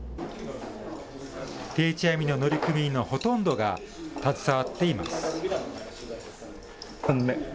定置網の乗組員のほとんどが携わっています。